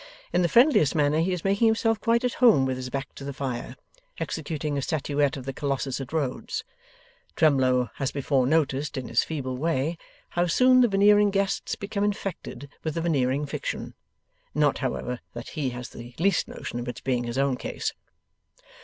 In the friendliest manner he is making himself quite at home with his back to the fire, executing a statuette of the Colossus at Rhodes. Twemlow has before noticed in his feeble way how soon the Veneering guests become infected with the Veneering fiction. Not, however, that he has the least notion of its being his own case.